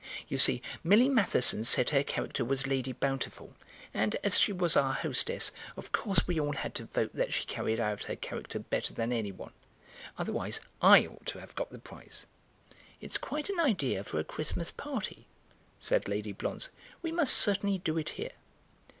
You see, Millie Matheson said her character was Lady Bountiful, and as she was our hostess of course we all had to vote that she had carried out her character better than anyone. Otherwise I ought to have got the prize." "It's quite an idea for a Christmas party," said Lady Blonze; "we must certainly do it here."